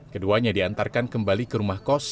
keduanya diantarkan kembali ke rumah kos